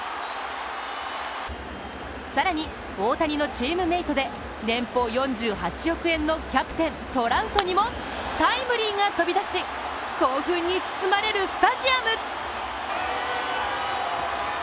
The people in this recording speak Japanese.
更に大谷のチームメートで年俸４８億円のキャプテン、トラウトにもタイムリーが飛び出し、興奮に包まれるスタジアム。